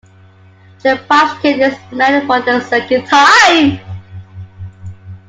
Trepashkin is married for the second time.